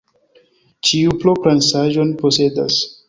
Ĉiu propran saĝon posedas.